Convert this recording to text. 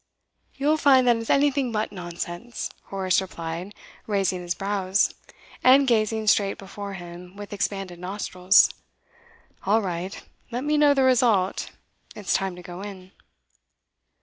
'You'll find that it's anything but nonsense,' Horace replied, raising his brows, and gazing straight before him, with expanded nostrils. 'All right. Let me know the result. It's time to go in.